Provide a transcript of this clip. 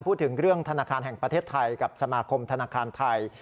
พูดถึงเรื่องธนาคารแห่งประเทศไทยกับสมาคมธนาคารไทย